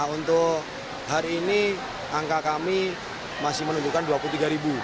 untuk hari ini angka kami masih menunjukkan dua puluh tiga ribu